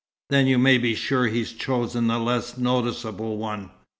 "Then you may be sure he's chosen the less noticeable one.